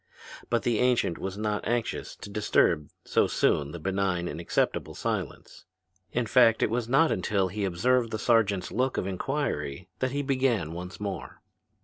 But the ancient was not anxious to disturb so soon the benign and acceptable silence. In fact it was not until he observed the sergeant's look of inquiry that he began once more.